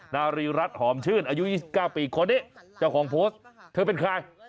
นารีรัฐหอมชื่นอายุ๒๙ปีคนนี้เจ้าของโพสต์เธอเป็นใคร